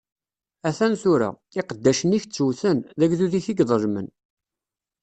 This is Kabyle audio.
A-t-an tura, iqeddacen-ik ttewten, d agdud-ik i yeḍelmen.